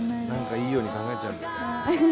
何かいいように考えちゃうんだよね。